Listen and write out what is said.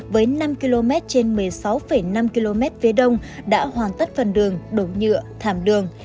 với năm km trên một mươi sáu năm km phía đông đã hoàn tất phần đường đổ nhựa thảm đường